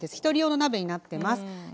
１人用の鍋になってます。